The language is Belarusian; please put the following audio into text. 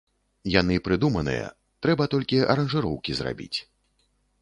Яны прыдуманыя, трэба толькі аранжыроўкі зрабіць.